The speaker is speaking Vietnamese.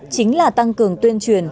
chính là tăng cường tuyên truyền